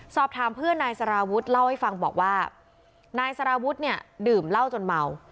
สอบถามเพื่อนนายสารวุฒิเล่าให้ฟังบอกว่านายสารวุฒิเนี่ยดื่มเหล้าจนเมา